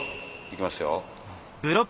行きますよ。